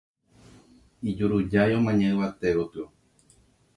ijurujái omaña yvate gotyo